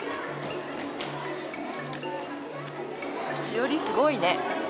しおりすごいね。